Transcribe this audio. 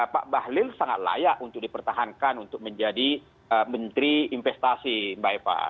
pak bahlil sangat layak untuk dipertahankan untuk menjadi menteri investasi mbak eva